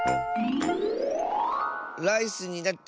ライスになって